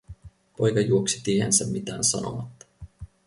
Poika juoksi tiehensä mitään sanomatta.